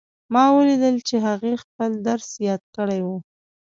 ما ولیدل چې هغې خپل درس یاد کړی وو